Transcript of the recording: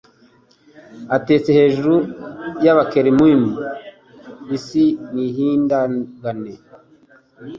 atetse hejuru y’Abakerubimu isi nihindagane